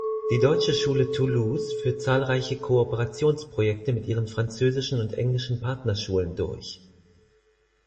Die Deutsche Schule Toulouse führt zahlreiche Kooperationsprojekte mit ihren französischen und englischen Partnerschulen durch.